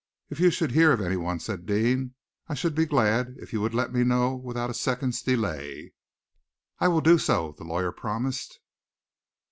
"If you should hear of anyone," said Deane, "I should be glad if you would let me know without a second's delay." "I will do so," the lawyer promised.